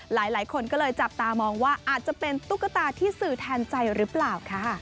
หลายคนจับตามองว่าอาจจะเป็นตุ๊กตาที่สื่อทนใจรึเปล่า